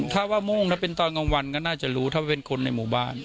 ถ้าว่าโม่งนะเป็นตอนกลางวันก็น่าจะรู้ถ้าเป็นคนในหมู่บ้าน